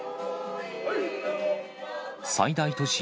最大都市